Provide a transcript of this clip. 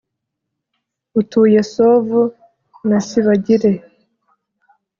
utuye sovu na sibagire.